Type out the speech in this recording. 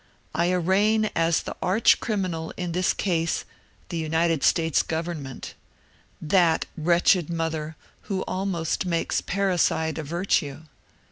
I arraign as the arch criminal in this case the United States government, — that wretched mother who almost makes parricide a virtue.